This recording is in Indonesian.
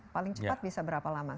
paling cepat bisa berapa lama